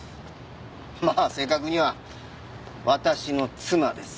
まあ正確には私の妻です。